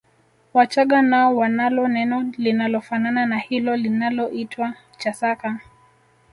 Wachaga nao wanalo neno linalofanana na hilo linaloitwa Chasaka